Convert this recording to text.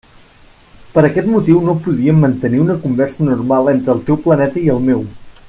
Per aquest motiu no podíem mantenir una conversa normal entre el teu planeta i el meu.